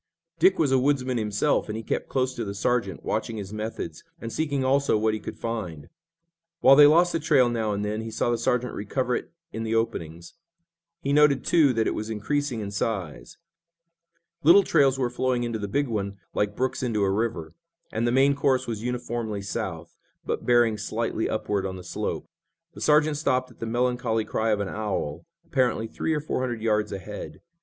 Dick was a woodsman himself, and he kept close to the sergeant, watching his methods, and seeking also what he could find. While they lost the trail now and then, he saw the sergeant recover it in the openings. He noted, too, that it was increasing in size. Little trails were flowing into the big one like brooks into a river, and the main course was uniformly south, but bearing slightly upward on the slope. The sergeant stopped at the melancholy cry of an owl, apparently three or four hundred yards ahead.